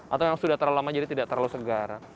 atau yang sudah terlalu lama jadi tidak terlalu segar